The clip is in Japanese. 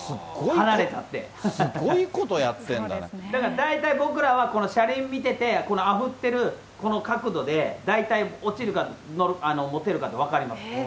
大体僕らはこの車輪見てて、このあぶってるこの角度で大体落ちるか持てるかって分かります。